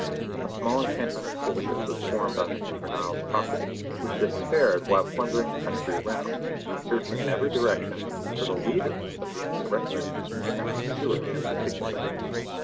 A small encampment of soldiers was formed on Invernahyle's property, which they spared while plundering the country around, and searching in every direction for the leaders of the insurrection, and for Stewart in particular.